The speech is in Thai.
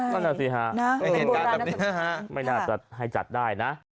ใช่นะมันโบราณน่าจะสมมุตินะครับไม่น่าจะจัดได้นะ